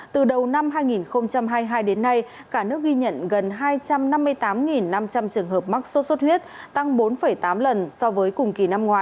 từ đầu năm hai nghìn hai mươi hai đến nay cả nước ghi nhận gần hai trăm năm mươi tám năm trăm linh trường hợp mắc sốt xuất huyết tăng bốn tám lần so với cùng kỳ năm ngoái